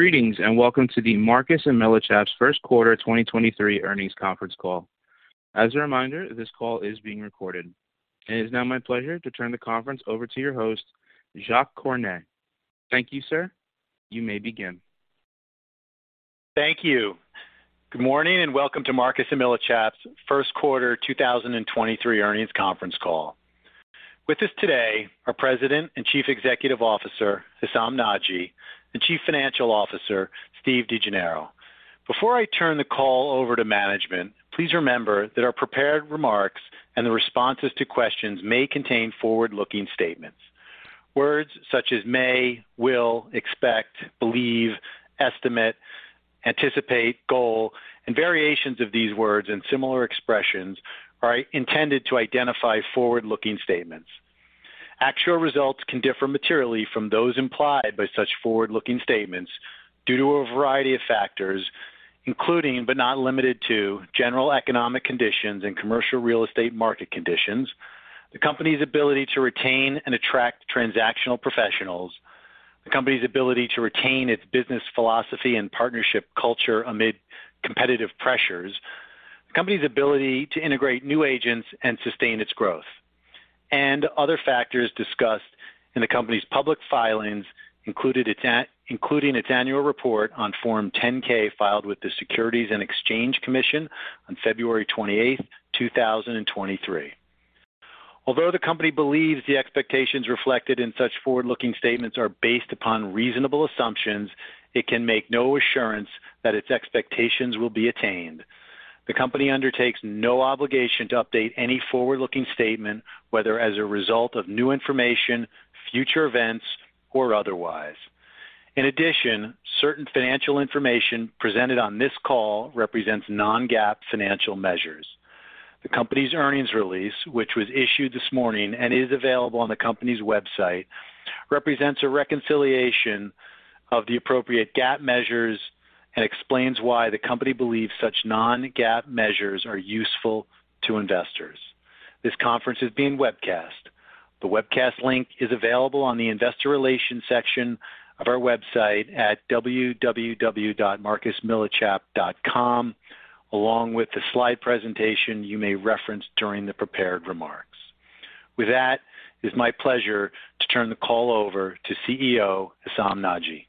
Greetings, welcome to the Marcus & Millichap's first quarter 2023 earnings conference call. As a reminder, this call is being recorded. It is now my pleasure to turn the conference over to your host, Jacques Cornet. Thank you, sir. You may begin. Thank you. Welcome to Marcus & Millichap's first quarter 2023 earnings conference call. With us today, our President and Chief Executive Officer, Hessam Nadji, and Chief Financial Officer, Steve DeGennaro. Before I turn the call over to management, please remember that our prepared remarks and the responses to questions may contain forward-looking statements. Words such as may, will, expect, believe, estimate, anticipate, goal, and variations of these words and similar expressions are intended to identify forward-looking statements. Actual results can differ materially from those implied by such forward-looking statements due to a variety of factors, including, but not limited to, general economic conditions and commercial real estate market conditions, the company's ability to retain and attract transactional professionals, the company's ability to retain its business philosophy and partnership culture amid competitive pressures, the company's ability to integrate new agents and sustain its growth, and other factors discussed in the company's public filings, including its annual report on Form 10-K filed with the Securities and Exchange Commission on February 28, 2023. Although the company believes the expectations reflected in such forward-looking statements are based upon reasonable assumptions, it can make no assurance that its expectations will be attained. The company undertakes no obligation to update any forward-looking statement, whether as a result of new information, future events, or otherwise. In addition, certain financial information presented on this call represents non-GAAP financial measures. The company's earnings release, which was issued this morning and is available on the company's website, represents a reconciliation of the appropriate GAAP measures and explains why the company believes such non-GAAP measures are useful to investors. This conference is being webcast. The webcast link is available on the investor relations section of our website at www.marcusmillichap.com, along with the slide presentation you may reference during the prepared remarks. With that, it's my pleasure to turn the call over to CEO, Hessam Nadji.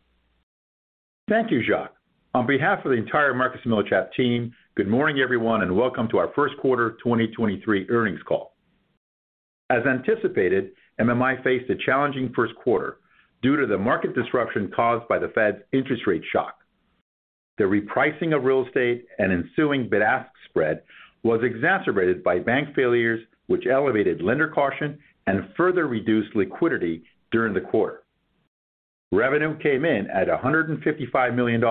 Thank you, Jacques. On behalf of the entire Marcus & Millichap team, good morning, everyone, and welcome to our 1st quarter 2023 earnings call. As anticipated, MMI faced a challenging 1st quarter due to the market disruption caused by the Fed's interest rate shock. The repricing of real estate and ensuing bid/ask spread was exacerbated by bank failures, which elevated lender caution and further reduced liquidity during the quarter. Revenue came in at $155 million,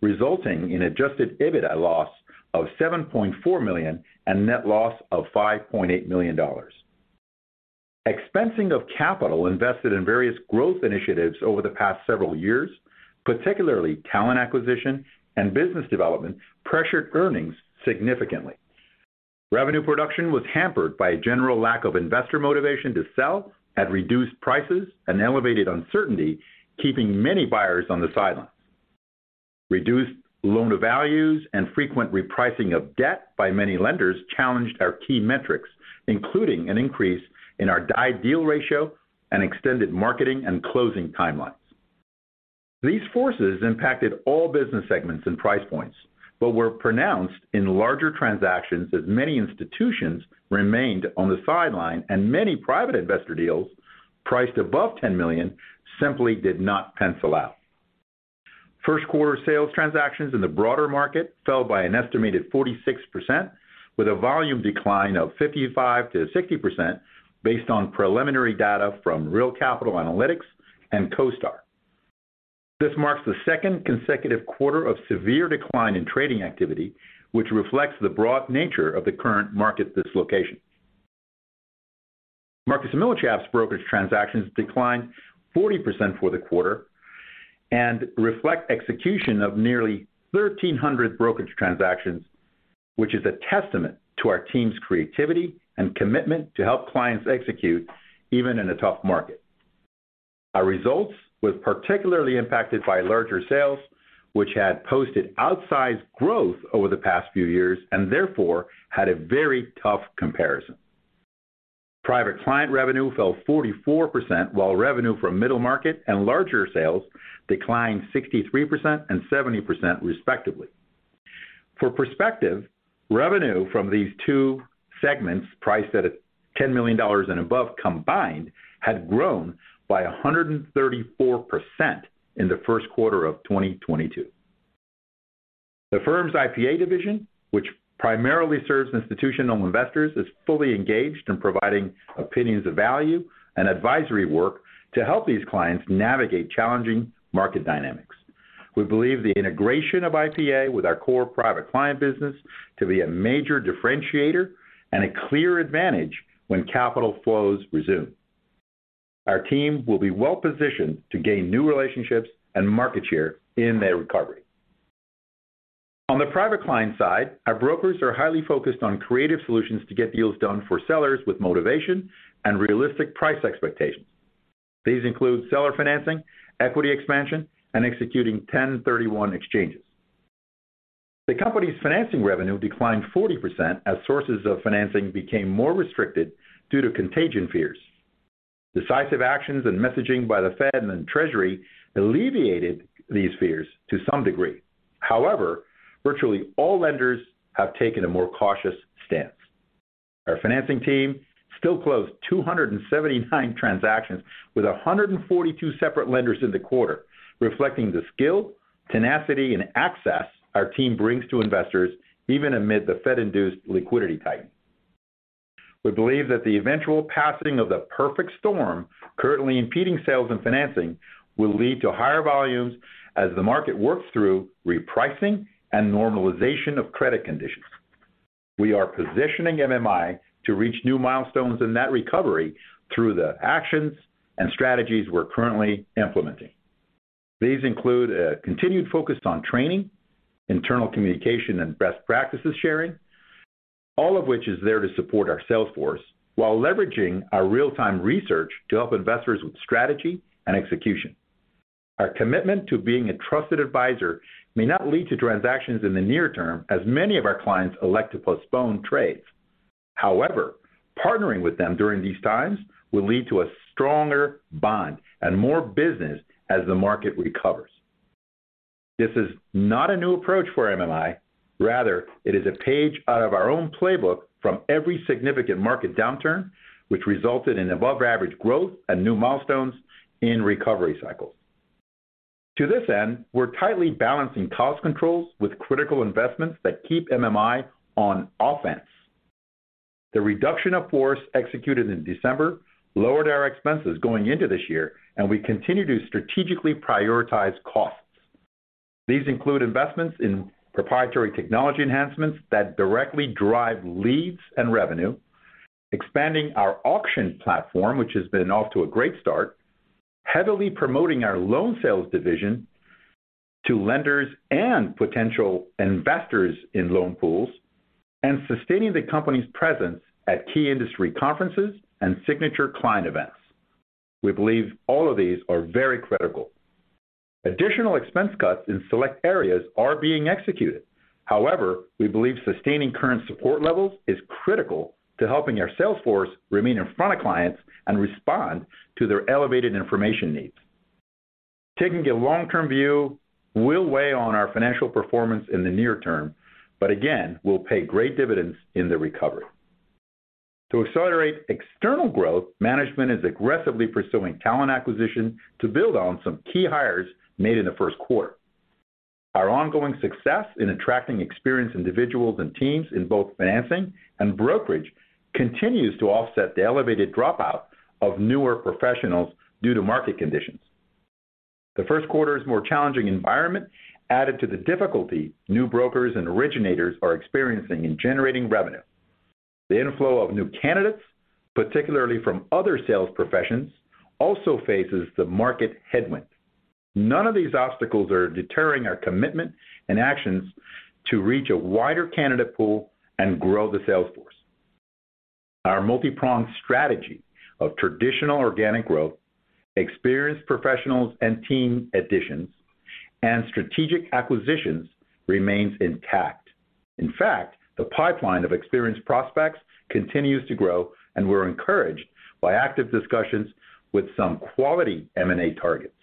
resulting in Adjusted EBITDA loss of $7.4 million and net loss of $5.8 million. Expensing of capital invested in various growth initiatives over the past several years, particularly talent acquisition and business development, pressured earnings significantly. Revenue production was hampered by a general lack of investor motivation to sell at reduced prices and elevated uncertainty, keeping many buyers on the sidelines. Reduced loan-to-values and frequent repricing of debt by many lenders challenged our key metrics, including an increase in our deal ratio and extended marketing and closing timelines. These forces impacted all business segments and price points, but were pronounced in larger transactions as many institutions remained on the sideline and many private investor deals priced above $10 million simply did not pencil out. First quarter sales transactions in the broader market fell by an estimated 46%, with a volume decline of 55%-60% based on preliminary data from Real Capital Analytics and CoStar. This marks the second consecutive quarter of severe decline in trading activity, which reflects the broad nature of the current market dislocation. Marcus & Millichap's brokerage transactions declined 40% for the quarter and reflect execution of nearly 1,300 brokerage transactions, which is a testament to our team's creativity and commitment to help clients execute even in a tough market. Our results was particularly impacted by larger sales, which had posted outsized growth over the past few years and therefore had a very tough comparison. Private Client revenue fell 44%, while revenue from Middle Market and larger sales declined 63% and 70% respectively. For perspective, revenue from these two segments priced at $10 million and above combined, had grown by 134% in the first quarter of 2022. The firm's IPA division, which primarily serves institutional investors, is fully engaged in providing opinions of value and advisory work to help these clients navigate challenging market dynamics. We believe the integration of IPA with our core Private Client business to be a major differentiator and a clear advantage when capital flows resume. Our team will be well-positioned to gain new relationships and market share in their recovery. On the Private Client side, our brokers are highly focused on creative solutions to get deals done for sellers with motivation and realistic price expectations. These include seller financing, equity expansion, and executing 1031 exchanges. The company's financing revenue declined 40% as sources of financing became more restricted due to contagion fears. Decisive actions and messaging by the Fed and Treasury alleviated these fears to some degree. Virtually all lenders have taken a more cautious stance. Our financing team still closed 279 transactions with 142 separate lenders in the quarter, reflecting the skill, tenacity, and access our team brings to investors even amid the Fed-induced liquidity tightening. We believe that the eventual passing of the perfect storm currently impeding sales and financing will lead to higher volumes as the market works through repricing and normalization of credit conditions. We are positioning MMI to reach new milestones in that recovery through the actions and strategies we're currently implementing. These include a continued focus on training, internal communication, and best practices sharing, all of which is there to support our sales force while leveraging our real-time research to help investors with strategy and execution. Our commitment to being a trusted advisor may not lead to transactions in the near term as many of our clients elect to postpone trades. However, partnering with them during these times will lead to a stronger bond and more business as the market recovers. This is not a new approach for MMI. Rather, it is a page out of our own playbook from every significant market downturn which resulted in above-average growth and new milestones in recovery cycles. To this end, we're tightly balancing cost controls with critical investments that keep MMI on offense. The reduction of force executed in December lowered our expenses going into this year, and we continue to strategically prioritize costs. These include investments in proprietary technology enhancements that directly drive leads and revenue, expanding our auction platform, which has been off to a great start, heavily promoting our loan sales division to lenders and potential investors in loan pools, and sustaining the company's presence at key industry conferences and signature client events. We believe all of these are very critical. Additional expense cuts in select areas are being executed. We believe sustaining current support levels is critical to helping our sales force remain in front of clients and respond to their elevated information needs. Taking a long-term view will weigh on our financial performance in the near term, again, will pay great dividends in the recovery. To accelerate external growth, management is aggressively pursuing talent acquisition to build on some key hires made in the first quarter. Our ongoing success in attracting experienced individuals and teams in both financing and brokerage continues to offset the elevated dropout of newer professionals due to market conditions. The first quarter's more challenging environment added to the difficulty new brokers and originators are experiencing in generating revenue. The inflow of new candidates, particularly from other sales professions, also faces the market headwind. None of these obstacles are deterring our commitment and actions to reach a wider candidate pool and grow the sales force. Our multi-pronged strategy of traditional organic growth, experienced professionals and team additions, and strategic acquisitions remains intact. In fact, the pipeline of experienced prospects continues to grow, and we're encouraged by active discussions with some quality M&A targets.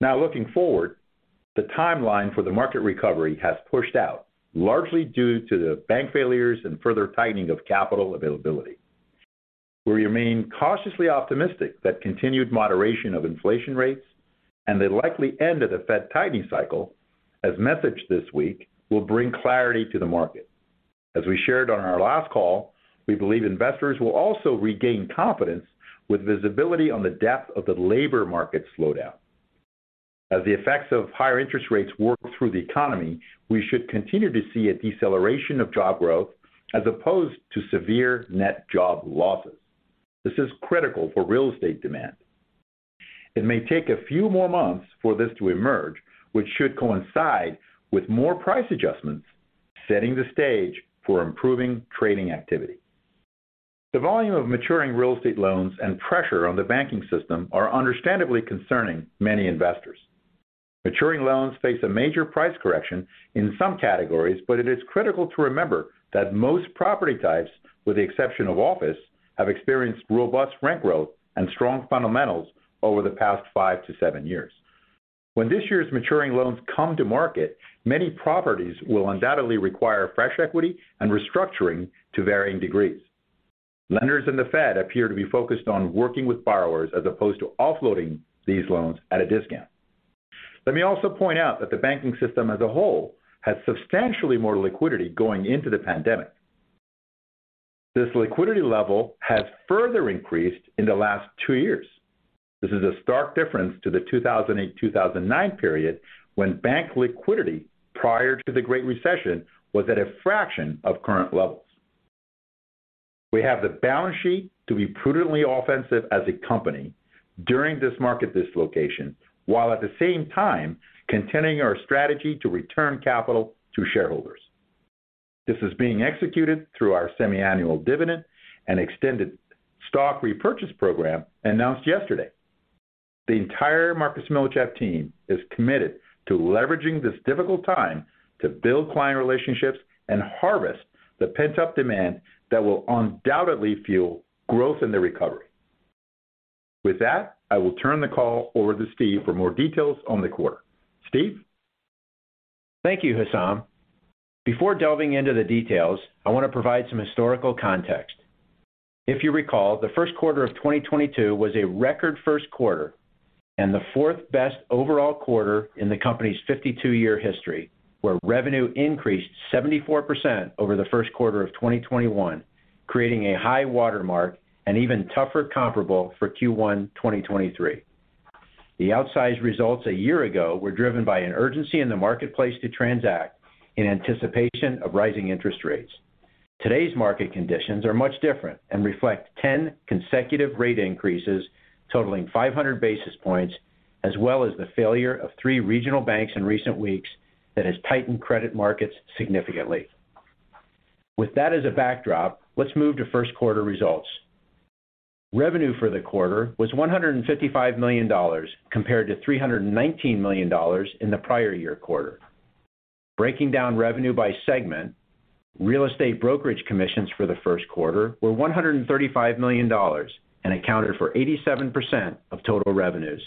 Now looking forward, the timeline for the market recovery has pushed out, largely due to the bank failures and further tightening of capital availability. We remain cautiously optimistic that continued moderation of inflation rates and the likely end of the Fed tightening cycle, as messaged this week, will bring clarity to the market. As we shared on our last call, we believe investors will also regain confidence with visibility on the depth of the labor market slowdown. As the effects of higher interest rates work through the economy, we should continue to see a deceleration of job growth as opposed to severe net job losses. This is critical for real estate demand. It may take a few more months for this to emerge, which should coincide with more price adjustments, setting the stage for improving trading activity. The volume of maturing real estate loans and pressure on the banking system are understandably concerning many investors. Maturing loans face a major price correction in some categories, but it is critical to remember that most property types, with the exception of office, have experienced robust rent growth and strong fundamentals over the past 5-7 years. When this year's maturing loans come to market, many properties will undoubtedly require fresh equity and restructuring to varying degrees. Lenders in the Fed appear to be focused on working with borrowers as opposed to offloading these loans at a discount. Let me also point out that the banking system as a whole had substantially more liquidity going into the pandemic. This liquidity level has further increased in the last two years. This is a stark difference to the 2008, 2009 period when bank liquidity prior to the Great Recession was at a fraction of current levels. We have the balance sheet to be prudently offensive as a company during this market dislocation, while at the same time continuing our strategy to return capital to shareholders. This is being executed through our semi-annual dividend and extended stock repurchase program announced yesterday. The entire Marcus & Millichap team is committed to leveraging this difficult time to build client relationships and harvest the pent-up demand that will undoubtedly fuel growth in the recovery. With that, I will turn the call over to Steve for more details on the quarter. Steve? Thank you, Hessam. Before delving into the details, I want to provide some historical context. If you recall, the first quarter of 2022 was a record first quarter and the fourth best overall quarter in the company's 52-year history, where revenue increased 74% over the first quarter of 2021, creating a high water mark and even tougher comparable for Q1 2023. The outsized results a year ago were driven by an urgency in the marketplace to transact in anticipation of rising interest rates. Today's market conditions are much different and reflect 10 consecutive rate increases totaling 500 basis points, as well as the failure of three regional banks in recent weeks that has tightened credit markets significantly. With that as a backdrop, let's move to first quarter results. Revenue for the quarter was $155 million compared to $319 million in the prior year quarter. Breaking down revenue by segment, real estate brokerage commissions for the first quarter were $135 million and accounted for 87% of total revenues,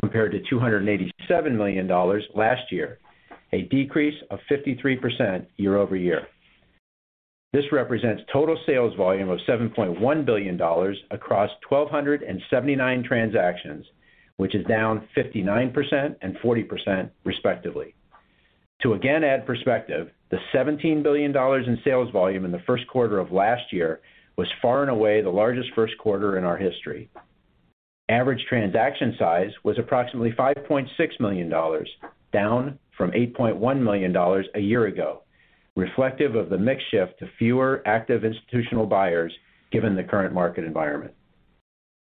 compared to $287 million last year, a decrease of 53% year-over-year. This represents total sales volume of $7.1 billion across 1,279 transactions, which is down 59% and 40% respectively. To again add perspective, the $17 billion in sales volume in the first quarter of last year was far and away the largest first quarter in our history. Average transaction size was approximately $5.6 million, down from $8.1 million a year ago, reflective of the mix shift to fewer active institutional buyers given the current market environment.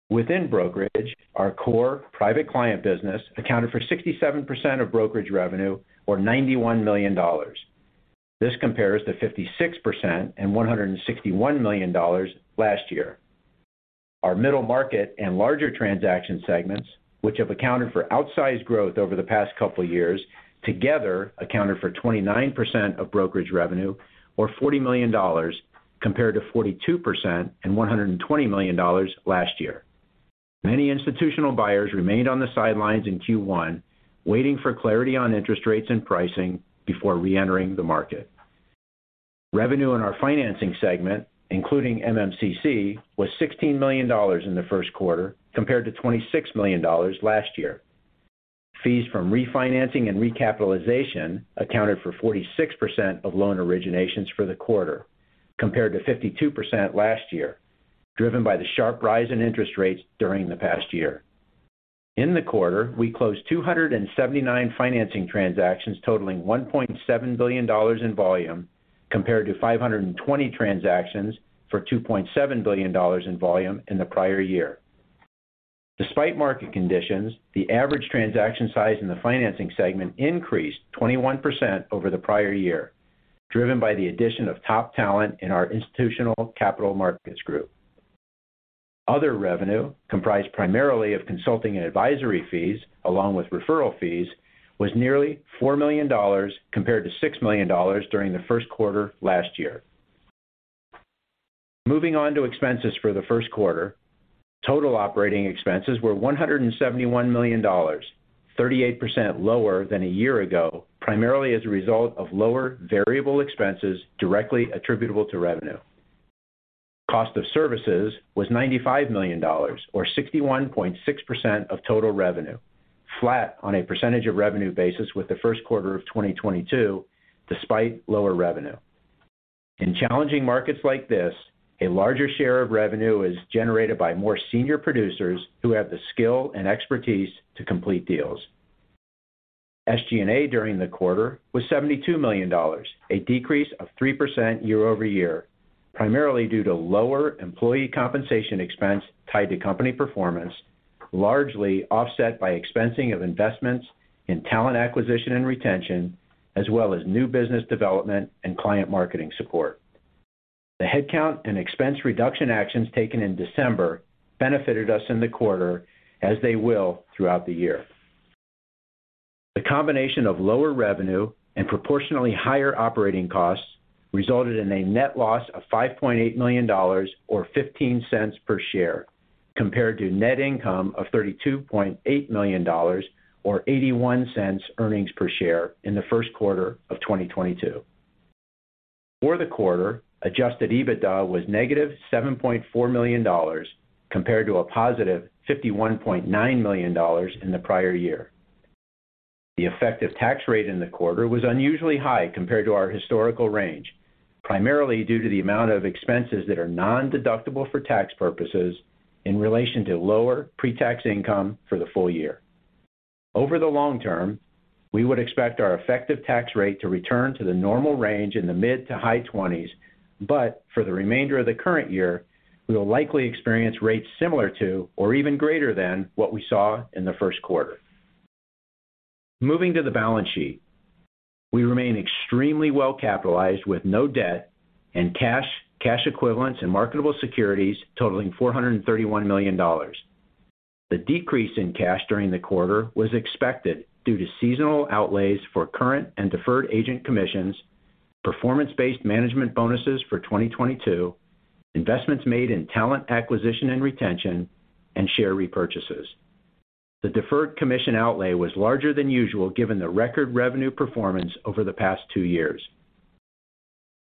Within brokerage, our core Private Client business accounted for 67% of brokerage revenue or $91 million. This compares to 56% and $161 million last year. Our Middle Market and larger transaction segments, which have accounted for outsized growth over the past couple of years, together accounted for 29% of brokerage revenue or $40 million compared to 42% and $120 million last year. Many institutional buyers remained on the sidelines in Q1, waiting for clarity on interest rates and pricing before reentering the market. Revenue in our financing segment, including MMCC, was $16 million in the first quarter compared to $26 million last year. Fees from refinancing and recapitalization accounted for 46% of loan originations for the quarter, compared to 52% last year, driven by the sharp rise in interest rates during the past year. In the quarter, we closed 279 financing transactions totaling $1.7 billion in volume, compared to 520 transactions for $2.7 billion in volume in the prior year. Despite market conditions, the average transaction size in the financing segment increased 21% over the prior year, driven by the addition of top talent in our institutional capital markets group. Other revenue, comprised primarily of consulting and advisory fees along with referral fees, was nearly $4 million compared to $6 million during the first quarter last year. Moving on to expenses for the first quarter, total operating expenses were $171 million, 38% lower than a year ago, primarily as a result of lower variable expenses directly attributable to revenue. Cost of services was $95 million or 61.6% of total revenue, flat on a percentage of revenue basis with the first quarter of 2022, despite lower revenue. In challenging markets like this, a larger share of revenue is generated by more senior producers who have the skill and expertise to complete deals. SG&A during the quarter was $72 million, a decrease of 3% year-over-year, primarily due to lower employee compensation expense tied to company performance, largely offset by expensing of investments in talent acquisition and retention, as well as new business development and client marketing support. The headcount and expense reduction actions taken in December benefited us in the quarter, as they will throughout the year. The combination of lower revenue and proportionally higher operating costs resulted in a net loss of $5.8 million or $0.15 per share, compared to net income of $32.8 million or $0.81 earnings per share in the first quarter of 2022. For the quarter, Adjusted EBITDA was negative $7.4 million, compared to a positive $51.9 million in the prior year. The effective tax rate in the quarter was unusually high compared to our historical range, primarily due to the amount of expenses that are nondeductible for tax purposes in relation to lower pre-tax income for the full year. Over the long term, we would expect our effective tax rate to return to the normal range in the mid to high twenties. For the remainder of the current year, we will likely experience rates similar to or even greater than what we saw in the first quarter. Moving to the balance sheet, we remain extremely well capitalized with no debt and cash equivalents, and marketable securities totaling $431 million. The decrease in cash during the quarter was expected due to seasonal outlays for current and deferred agent commissions, performance-based management bonuses for 2022, investments made in talent acquisition and retention, and share repurchases. The Deferred Commission outlay was larger than usual given the record revenue performance over the past two years.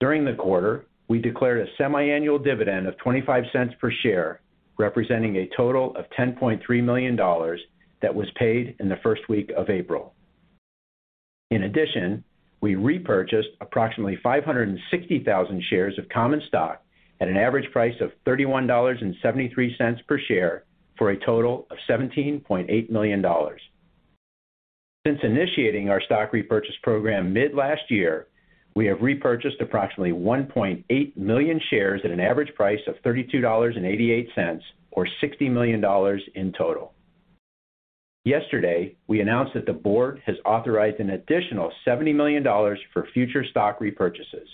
During the quarter, we declared a semiannual dividend of $0.25 per share, representing a total of $10.3 million that was paid in the first week of April. In addition, we repurchased approximately 560,000 shares of common stock at an average price of $31.73 per share for a total of $17.8 million. Since initiating our stock repurchase program mid last year, we have repurchased approximately 1.8 million shares at an average price of $32.88 or $60 million in total. Yesterday, we announced that the board has authorized an additional $70 million for future stock repurchases.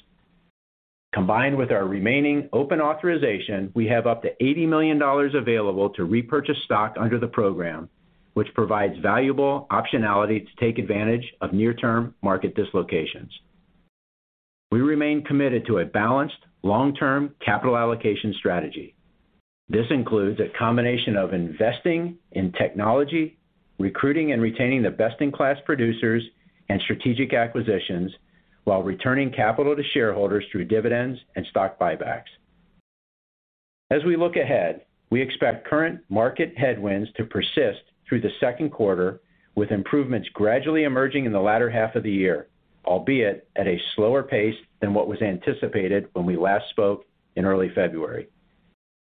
Combined with our remaining open authorization, we have up to $80 million available to repurchase stock under the program, which provides valuable optionality to take advantage of near-term market dislocations. We remain committed to a balanced long-term capital allocation strategy. This includes a combination of investing in technology, recruiting and retaining the best-in-class producers and strategic acquisitions while returning capital to shareholders through dividends and stock buybacks. As we look ahead, we expect current market headwinds to persist through the second quarter, with improvements gradually emerging in the latter half of the year, albeit at a slower pace than what was anticipated when we last spoke in early February.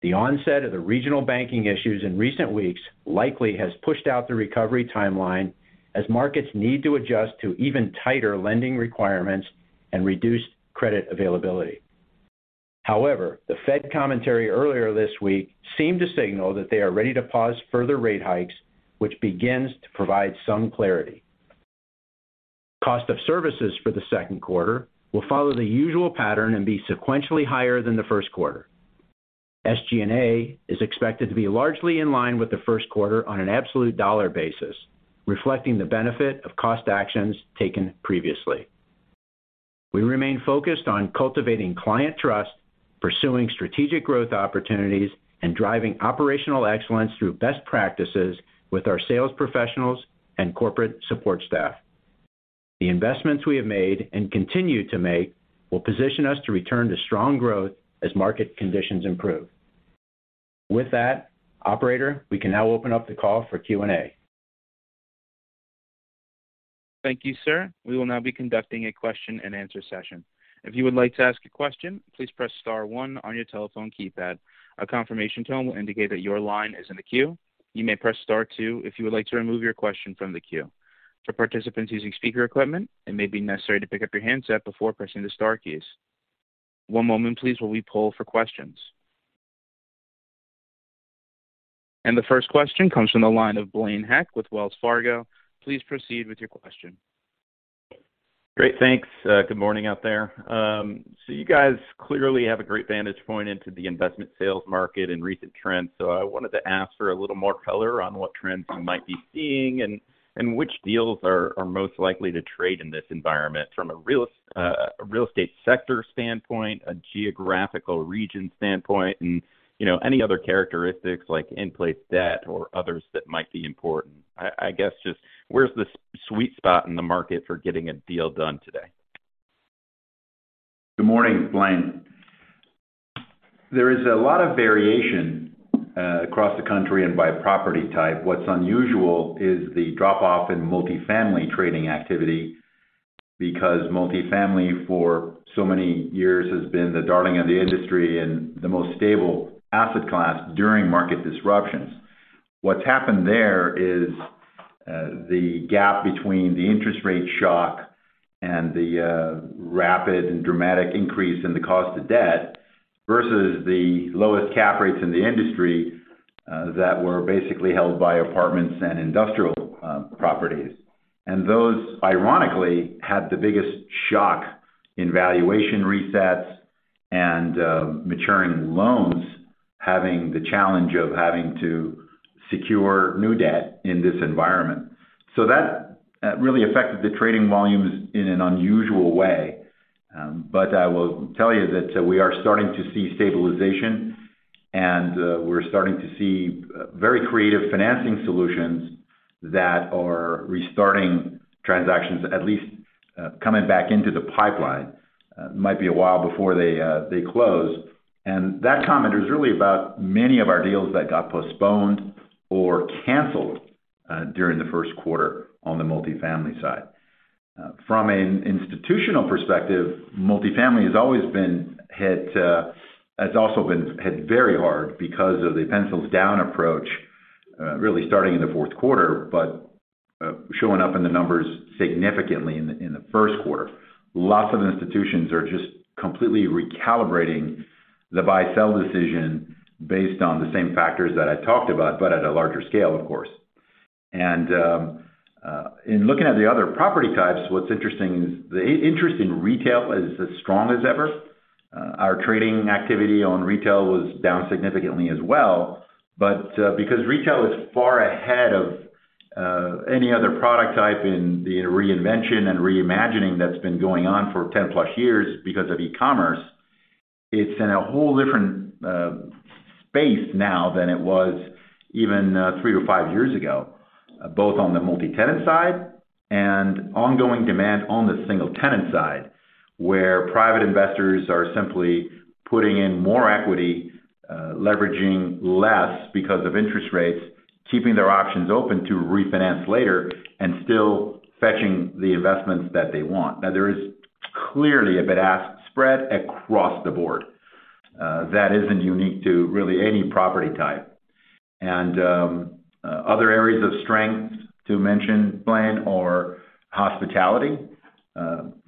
The onset of the regional banking issues in recent weeks likely has pushed out the recovery timeline as markets need to adjust to even tighter lending requirements and reduced credit availability. The Fed commentary earlier this week seemed to signal that they are ready to pause further rate hikes, which begins to provide some clarity. cost of services for the second quarter will follow the usual pattern and be sequentially higher than the first quarter. SG&A is expected to be largely in line with the first quarter on an absolute dollar basis, reflecting the benefit of cost actions taken previously. We remain focused on cultivating client trust, pursuing strategic growth opportunities, and driving operational excellence through best practices with our sales professionals and corporate support staff. The investments we have made and continue to make will position us to return to strong growth as market conditions improve. With that, operator, we can now open up the call for Q&A. Thank you, sir. We will now be conducting a question-and-answer session. If you would like to ask a question, please press star one on your telephone keypad. A confirmation tone will indicate that your line is in the queue. You may press star two if you would like to remove your question from the queue. For participants using speaker equipment, it may be necessary to pick up your handset before pressing the star keys. One moment please while we poll for questions. The first question comes from the line of Blaine Heck with Wells Fargo. Please proceed with your question. Great. Thanks. Good morning out there. You guys clearly have a great vantage point into the investment sales market and recent trends. I wanted to ask for a little more color on what trends you might be seeing and which deals are most likely to trade in this environment from a real estate sector standpoint, a geographical region standpoint, and, you know, any other characteristics like in-place debt or others that might be important. I guess just where's the sweet spot in the market for getting a deal done today? Good morning, Blaine. There is a lot of variation across the country and by property type. What's unusual is the drop-off in multifamily trading activity because multifamily for so many years has been the darling of the industry and the most stable asset class during market disruptions. What's happened there is the gap between the interest rate shock and the rapid and dramatic increase in the cost of debt versus the lowest cap rates in the industry that were basically held by apartments and industrial properties. Those, ironically, had the biggest shock in valuation resets and maturing loans having the challenge of having to secure new debt in this environment. That really affected the trading volumes in an unusual way. I will tell you that we are starting to see stabilization, and we're starting to see very creative financing solutions that are restarting transactions at least, coming back into the pipeline. Might be a while before they close. That comment is really about many of our deals that got postponed or canceled, during the first quarter. On the multifamily side. From an institutional perspective, multifamily has always been hit, has also been hit very hard because of the pencils down approach, really starting in the fourth quarter, but showing up in the numbers significantly in the first quarter. Lots of institutions are just completely recalibrating the buy/sell decision based on the same factors that I talked about, but at a larger scale, of course. In looking at the other property types, what's interesting is the interest in retail is as strong as ever. Our trading activity on retail was down significantly as well, but because retail is far ahead of any other product type in the reinvention and reimagining that's been going on for 10+ years because of e-commerce, it's in a whole different space now than it was even three to five years ago, both on the multi-tenant side and ongoing demand on the single-tenant side, where private investors are simply putting in more equity, leveraging less because of interest rates, keeping their options open to refinance later and still fetching the investments that they want. There is clearly a bid/ask spread across the board that isn't unique to really any property type. Other areas of strength to mention, Blaine, are hospitality,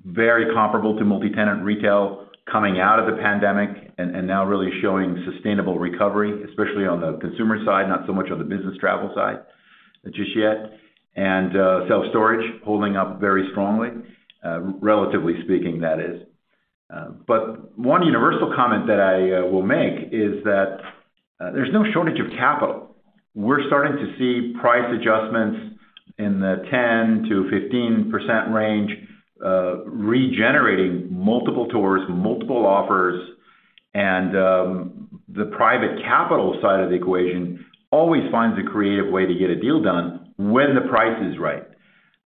very comparable to multi-tenant retail coming out of the pandemic and now really showing sustainable recovery, especially on the consumer side, not so much on the business travel side just yet. Self-storage holding up very strongly, relatively speaking, that is. One universal comment that I will make is that there's no shortage of capital. We're starting to see price adjustments in the 10%-15% range, regenerating multiple tours, multiple offers. The private capital side of the equation always finds a creative way to get a deal done when the price is right.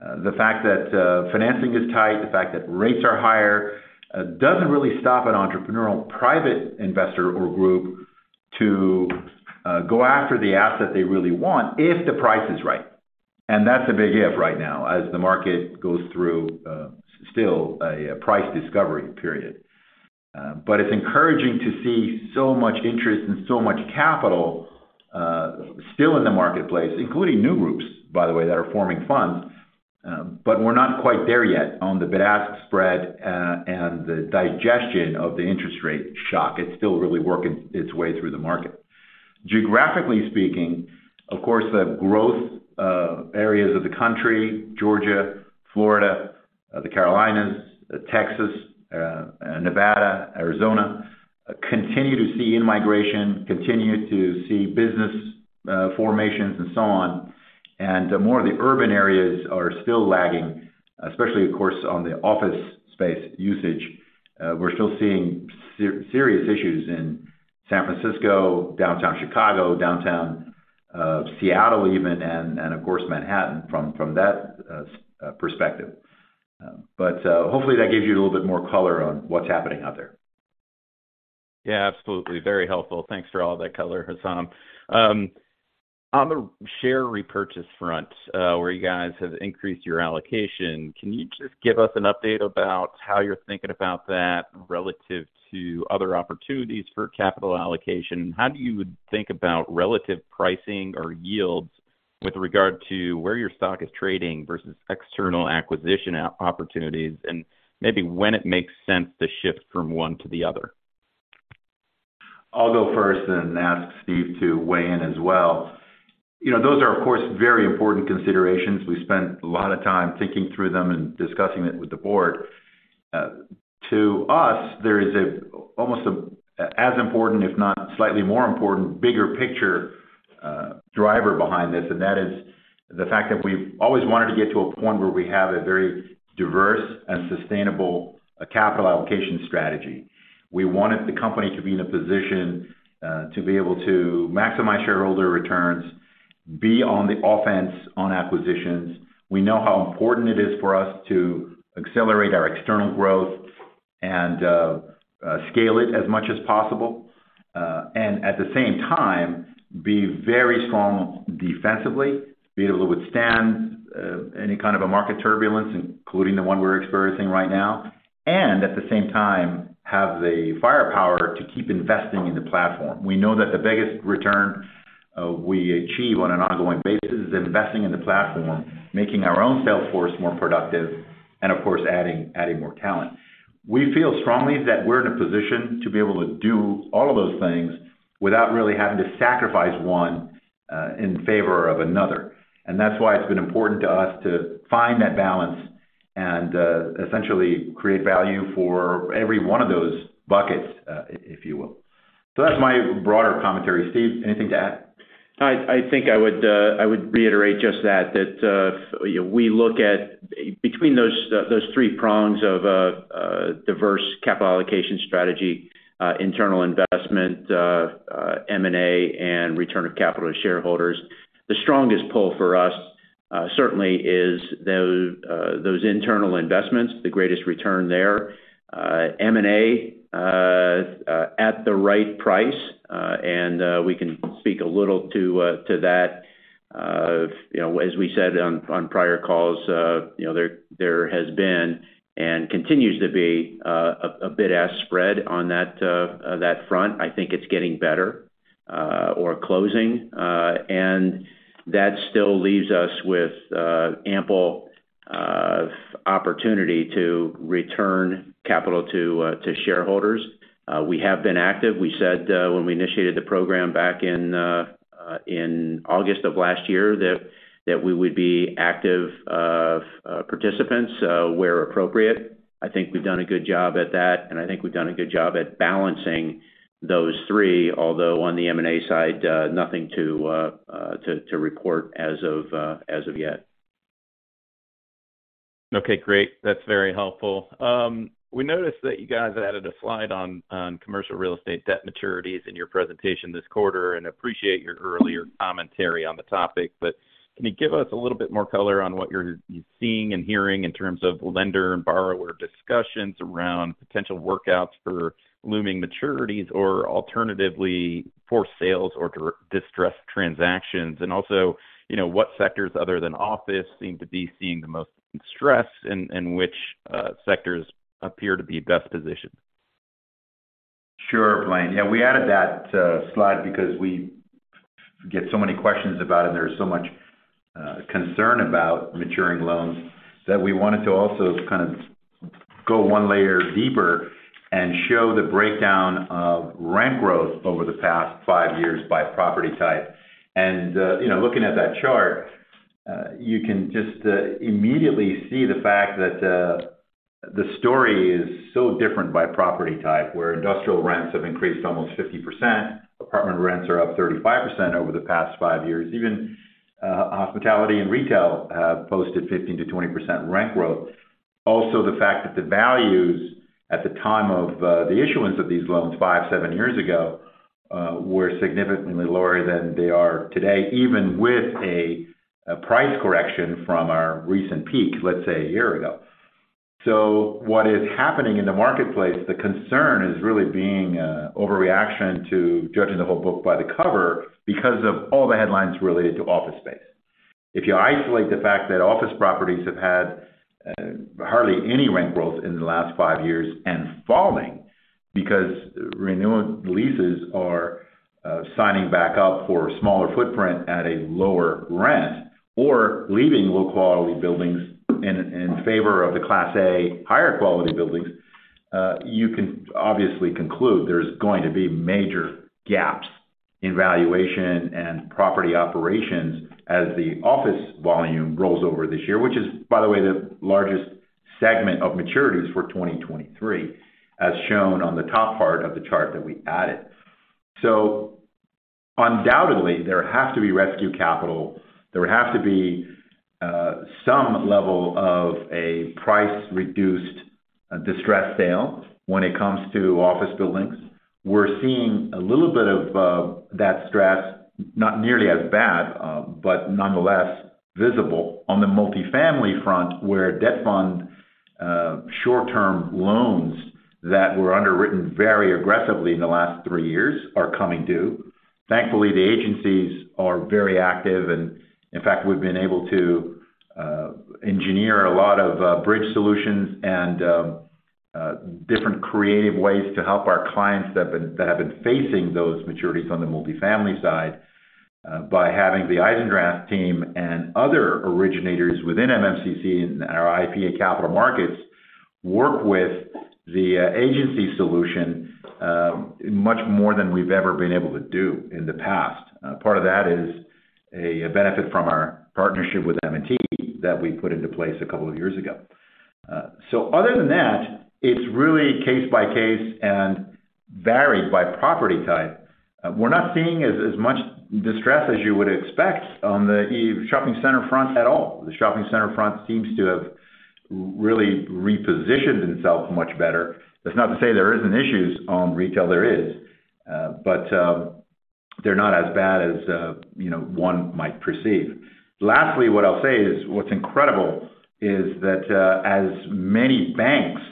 The fact that financing is tight, the fact that rates are higher, doesn't really stop an entrepreneurial private investor or group to go after the asset they really want if the price is right. That's a big if right now as the market goes through still a price discovery period. But it's encouraging to see so much interest and so much capital still in the marketplace, including new groups, by the way, that are forming funds, but we're not quite there yet on the bid/ask spread and the digestion of the interest rate shock. It's still really working its way through the market. Geographically speaking, of course, the growth areas of the country, Georgia, Florida, the Carolinas, Texas, Nevada, Arizona, continue to see in-migration, continue to see business formations and so on. More of the urban areas are still lagging, especially, of course, on the office space usage. We're still seeing serious issues in San Francisco, downtown Chicago, downtown Seattle even, and of course, Manhattan from that perspective. Hopefully that gives you a little bit more color on what's happening out there. Yeah, absolutely. Very helpful. Thanks for all that color, Hessam. On the share repurchase front, where you guys have increased your allocation, can you just give us an update about how you're thinking about that relative to other opportunities for capital allocation? How do you think about relative pricing or yields with regard to where your stock is trading versus external acquisition opportunities, and maybe when it makes sense to shift from one to the other? I'll go first and ask Steve to weigh in as well. You know, those are, of course, very important considerations. We spent a lot of time thinking through them and discussing it with the board. To us, there is a almost as important, if not slightly more important, bigger picture driver behind this, and that is the fact that we've always wanted to get to a point where we have a very diverse and sustainable capital allocation strategy. We wanted the company to be in a position to be able to maximize shareholder returns, be on the offense on acquisitions. We know how important it is for us to accelerate our external growth and scale it as much as possible, and at the same time, be very strong defensively, be able to withstand any kind of a market turbulence, including the one we're experiencing right now. At the same time, have the firepower to keep investing in the platform. We know that the biggest return we achieve on an ongoing basis is investing in the platform, making our own sales force more productive, and of course, adding more talent. We feel strongly that we're in a position to be able to do all of those things without really having to sacrifice one in favor of another. That's why it's been important to us to find that balance and, essentially create value for every one of those buckets, if you will. That's my broader commentary. Steve, anything to add? I think I would reiterate just that, you know, we look at between those three prongs of diverse capital allocation strategy, internal investment, M&A, and return of capital to shareholders. The strongest pull for us. certainly is those internal investments, the greatest return there, M&A at the right price. We can speak a little to that. you know, as we said on prior calls, you know, there has been and continues to be a bid/ask spread on that front. I think it's getting better or closing. That still leaves us with ample opportunity to return capital to shareholders. We have been active. We said when we initiated the program back in August of last year, that we would be active participants where appropriate. I think we've done a good job at that, and I think we've done a good job at balancing those three. On the M&A side, nothing to report as of yet. Okay, great. That's very helpful. We noticed that you guys added a slide on commercial real estate debt maturities in your presentation this quarter, and appreciate your earlier commentary on the topic. Can you give us a little bit more color on what you're seeing and hearing in terms of lender and borrower discussions around potential workouts for looming maturities, or alternatively, for sales or distressed transactions? Also, you know, what sectors other than office seem to be seeing the most stress, and which sectors appear to be best positioned? Sure, Blaine. Yeah, we added that slide because we get so many questions about it, and there's so much concern about maturing loans that we wanted to also kind of go one layer deeper and show the breakdown of rent growth over the past five years by property type. You know, looking at that chart, you can just immediately see the fact that the story is so different by property type, where industrial rents have increased almost 50%, apartment rents are up 35% over the past five years. Even hospitality and retail have posted 15%-20% rent growth. Also, the fact that the values at the time of the issuance of these loans 5, 7 years ago, were significantly lower than they are today, even with a price correction from our recent peak, let's say 1 year ago. What is happening in the marketplace, the concern is really being overreaction to judging the whole book by the cover because of all the headlines related to office space. If you isolate the fact that office properties have had hardly any rent growth in the last five years and falling because renewal leases are signing back up for a smaller footprint at a lower rent, or leaving low-quality buildings in favor of the Class A higher quality buildings, you can obviously conclude there's going to be major gaps in valuation and property operations as the office volume rolls over this year, which is, by the way, the largest segment of maturities for 2023, as shown on the top part of the chart that we added. Undoubtedly, there have to be rescue capital. There would have to be some level of a price-reduced distressed sale when it comes to office buildings. We're seeing a little bit of that stress, not nearly as bad, but nonetheless visible on the multifamily front, where debt fund short-term loans that were underwritten very aggressively in the last three years are coming due. Thankfully, the agencies are very active, and in fact, we've been able to engineer a lot of bridge solutions and different creative ways to help our clients that have been facing those maturities on the multifamily side, by having the Eisendrath team and other originators within MMCC and our IPA capital markets work with the agency solution much more than we've ever been able to do in the past. Part of that is a benefit from our partnership with M&T that we put into place a couple of years ago. Other than that, it's really case by case and varied by property type. We're not seeing as much distress as you would expect on the shopping center front at all. The shopping center front seems to have really repositioned itself much better. That's not to say there isn't issues on retail. There is. They're not as bad as, you know, one might perceive. Lastly, what I'll say is what's incredible is that as many banks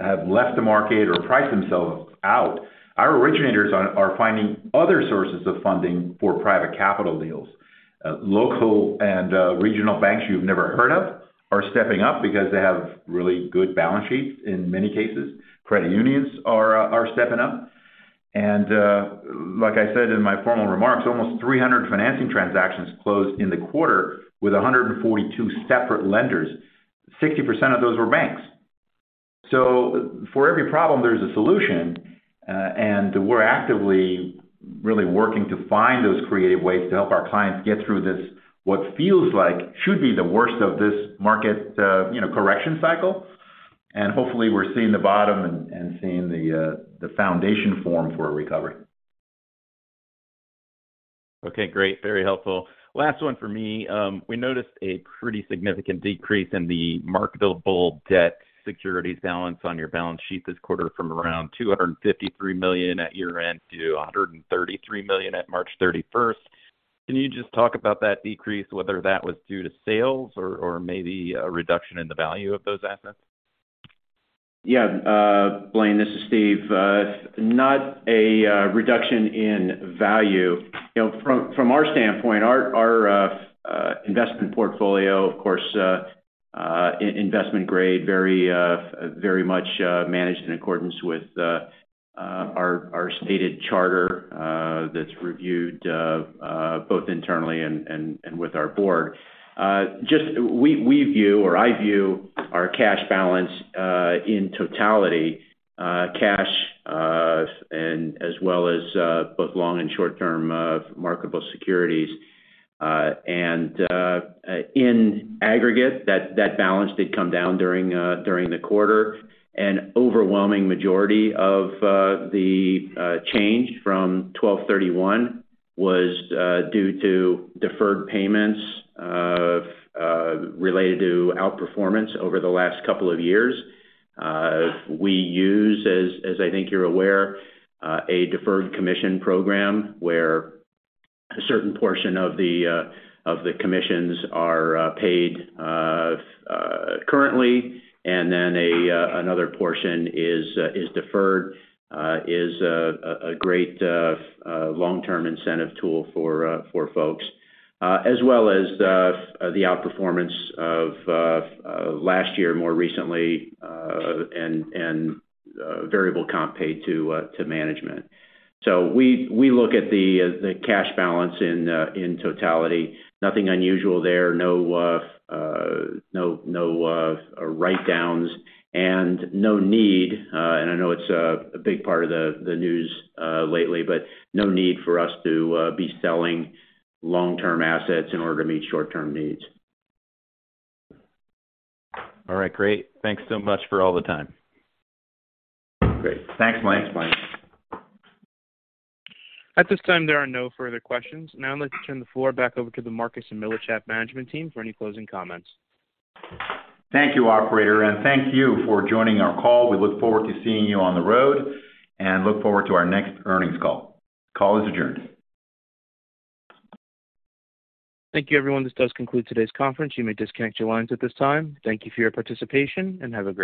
have left the market or priced themselves out, our originators are finding other sources of funding for private capital deals. Local and regional banks you've never heard of are stepping up because they have really good balance sheets in many cases. Credit unions are stepping up. Like I said in my formal remarks, almost 300 financing transactions closed in the quarter with 142 separate lenders. 60% of those were banks. For every problem, there's a solution. We're actively really working to find those creative ways to help our clients get through this, what feels like should be the worst of this market, you know, correction cycle. Hopefully, we're seeing the bottom and seeing the foundation form for a recovery. Okay, great. Very helpful. Last one for me. We noticed a pretty significant decrease in the marketable debt securities balance on your balance sheet this quarter from around $253 million at year-end to $133 million at March thirty-first. Can you just talk about that decrease, whether that was due to sales or maybe a reduction in the value of those assets? Yeah, Blaine, this is Steve. Not a reduction in value. You know, from our standpoint, our investment portfolio, of course, investment grade, very much managed in accordance with our stated charter, that's reviewed both internally and with our board. Just we view or I view our cash balance in totality, cash, and as well as both long and short-term marketable securities. In aggregate, that balance did come down during the quarter. An overwhelming majority of the change from 12/31 was due to deferred payments related to outperformance over the last couple of years. We use, as I think you're aware, a deferred commission program where a certain portion of the of the commissions are paid currently, and then another portion is deferred, is a great long-term incentive tool for folks. As well as the the outperformance of last year, more recently, and variable comp paid to management. We, we look at the the cash balance in totality. Nothing unusual there. No write-downs and no need, and I know it's a big part of the news lately, but no need for us to be selling long-term assets in order to meet short-term needs. All right. Great. Thanks so much for all the time. Great. Thanks, Mike. At this time, there are no further questions. Now I'd like to turn the floor back over to the Marcus & Millichap management team for any closing comments. Thank you, operator, and thank you for joining our call. We look forward to seeing you on the road and look forward to our next earnings call. Call is adjourned. Thank you, everyone. This does conclude today's conference. You may disconnect your lines at this time. Thank you for your participation. Have a great day.